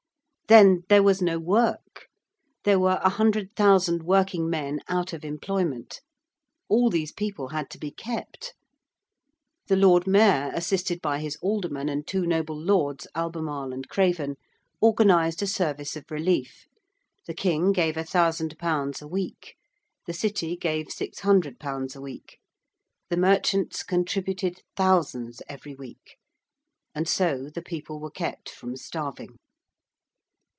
Then there was no work. There were 100,000 working men out of employment. All these people had to be kept. The Lord Mayor, assisted by his Aldermen and two noble Lords, Albemarle and Craven, organised a service of relief. The King gave a thousand pounds a week: the City gave 600_l._ a week: the merchants contributed thousands every week. And so the people were kept from starving.